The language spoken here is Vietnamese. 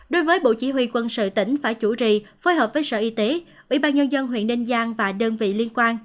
đối với bộ chỉ huy quân sự tỉnh phải chủ trì phối hợp với sở y tế ủy ban nhân dân huyện ninh giang và đơn vị liên quan